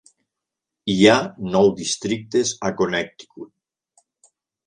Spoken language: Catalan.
Hi ha nou districtes a Connecticut.